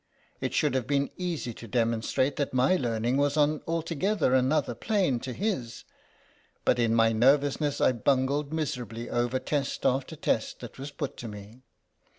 It should have been easy to demon strate that my learning was on altogether another plane to his, but in my nervous ness I bungled miserably over test after test that was put to me.